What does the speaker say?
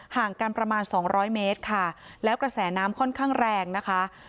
ห่างกันประมาณสองร้อยเมตรค่ะแล้วกระแสน้ำค่อนข้างแรงนะคะ